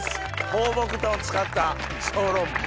放牧豚を使った小籠包。